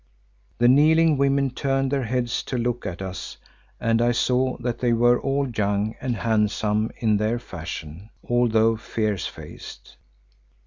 The kneeling women turned their heads to look at us and I saw that they were all young and handsome in their fashion, although fierce faced.